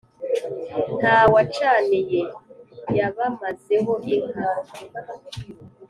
nta wacaniye: yabamazeho inka